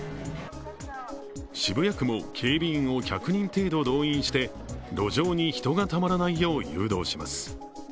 渋谷区も警備員を１００人程度動員して路上に人がたまらないよう誘導します。